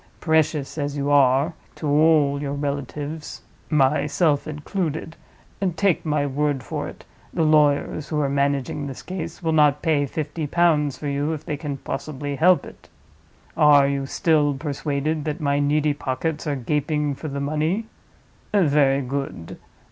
Precious as you are to all your relatives (myself included), take my word for it, the lawyers who are managing this case will not pay fifty pounds for you if they can possibly help it. Are you still persuaded that my needy pockets are gaping for the money? Very good.